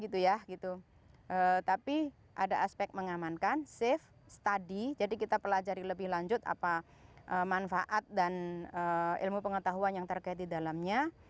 tapi ada aspek mengamankan safe study jadi kita pelajari lebih lanjut apa manfaat dan ilmu pengetahuan yang terkait di dalamnya